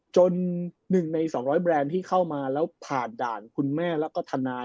๑ใน๒๐๐แบรนด์ที่เข้ามาแล้วผ่านด่านคุณแม่แล้วก็ทนาย